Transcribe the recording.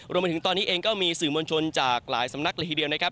รวมไปถึงตอนนี้เองก็มีสื่อมวลชนจากหลายสำนักเลยทีเดียวนะครับ